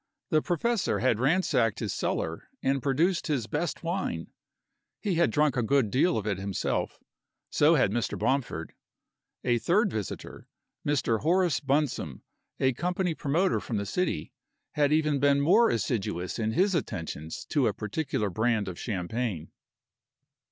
The professor had ransacked his cellar and produced his best wine. He had drunk a good deal of it himself so had Mr. Bomford. A third visitor, Mr. Horace Bunsome, a company promoter from the city, had been even more assiduous in his attentions to a particular brand of champagne.